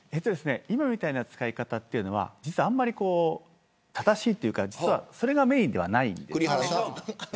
今みたいな使い方は実は正しいというかそれがメーンではないんです。